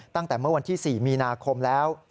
ตั้งแต่เมื่อวันที่๔มีนาคมแล้ว